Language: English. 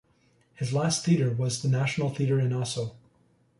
His last theater was the National Theater in Oslo.